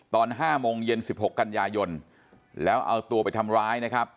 ตอน๕โมงเย็น๑๖กันยายนแล้วเอาตัวไปทำร้ายนะครับ